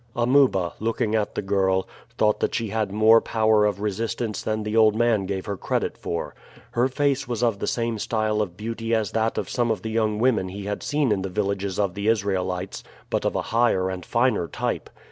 Amuba, looking at the girl, thought that she had more power of resistance than the old man gave her credit for. Her face was of the same style of beauty as that of some of the young women he had seen in the villages of the Israelites, but of a higher and finer type.